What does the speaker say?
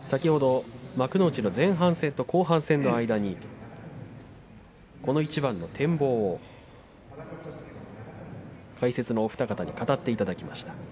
先ほど幕内の前半戦と後半戦の間にこの一番の展望を解説のお二方に語っていただきました。